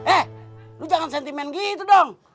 eh lu jangan sentimen gitu dong